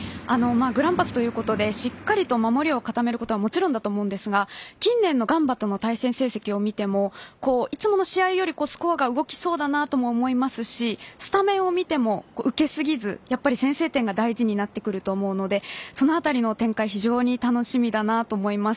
グランパスということでしっかりと守りを固めることはもちろんだと思うんですが近年のガンバとの対戦成績を見てもいつもの試合よりスコアが動きそうだなと思いますしスタメンを見ても、受けすぎず先制点が大事になってくると思うのでその辺りの展開が非常に楽しみだと思います。